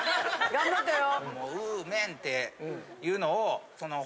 頑張ったよ。